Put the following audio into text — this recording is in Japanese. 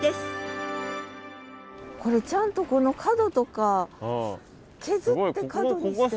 これちゃんとこの角とか削って角にしてるの？